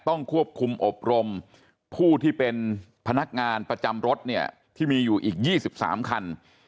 ต้องควบคุมอบรมผู้ที่เป็นพนักงานประจำรถเนี่ยที่มีอยู่อีก๒๓คัน